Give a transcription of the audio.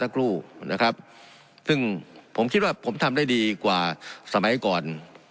ครูนะครับซึ่งผมคิดว่าผมทำได้ดีกว่าสมัยก่อน